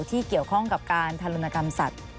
ที่เกี่ยวข้องกับการทารุณกรรมสัตว์